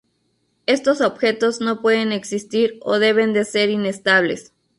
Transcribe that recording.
Estos objetos no pueden existir o deben de ser inestables.